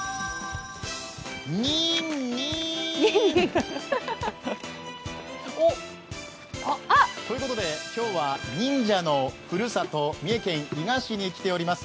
ニンニン！ということで、今日は忍者のふるさと、三重県伊賀市に来ております。